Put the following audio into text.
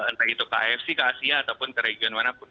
entah itu ke afc ke asia ataupun ke region manapun